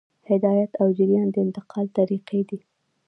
هدایت او جریان د انتقال طریقې دي.